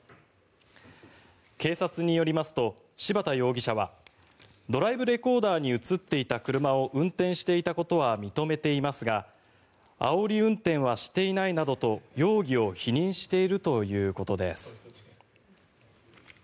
警察によりますと、柴田容疑者はドライブレコーダーに映っていた車を運転していたことは認めていますがあおり運転はしていないなどと容疑を否認しているということです。